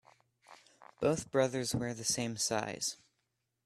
Both brothers wear the same size.